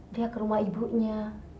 dia ke rumah ibunya